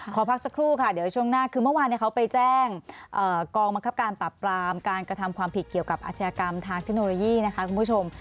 ขอพักสักครู่ค่ะเดี๋ยวช่วงหน้าคือเมื่อวานเขาไปแจ้งกองบังคับการปรับปรามการกระทำความผิดเกี่ยวกับอาชญากรรมทางเทคโนโลยีนะคะคุณผู้ชม